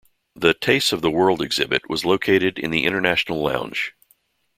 The 'Tastes of the World' exhibit was located in the International Lounge.